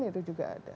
itu juga ada